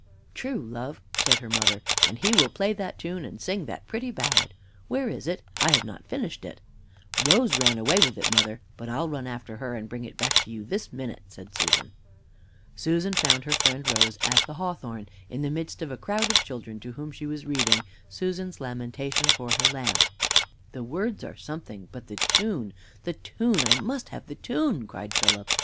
"True, love," said her mother, "and he will play that tune and sing that pretty ballad. Where is it? I have not finished it." "Rose ran away with it, mother, but I'll run after her, and bring it back to you this minute," said Susan. Susan found her friend Rose at the hawthorn, in the midst of a crowd of children, to whom she was reading "Susan's Lamentation for her Lamb." "The words are something, but the tune the tune I must have the tune," cried Philip.